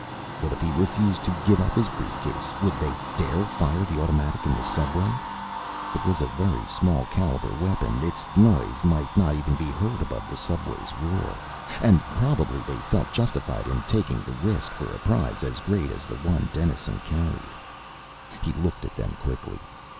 What if he refused to give up his briefcase? Would they dare fire the automatic in the subway? It was a very small caliber weapon. Its noise might not even be heard above the subway's roar. And probably they felt justified in taking the risk for a prize as great as the one Dennison carried. He looked at them quickly.